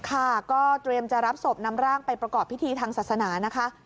ค่ะก็เตรียมจะรับศพนำร่างไปประกอบพิธีทางศาสนานะคะ